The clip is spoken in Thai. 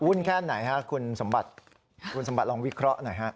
แค่ไหนฮะคุณสมบัติคุณสมบัติลองวิเคราะห์หน่อยฮะ